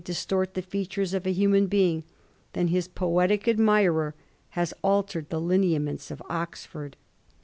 il distort the features of a human being than his poetic admirer has altered the lineaments of Oxford.